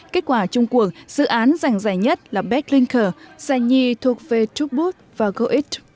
kết quả chung cuộc dự án dành dài nhất là becklinker dài nhì thuộc về trueboot và goit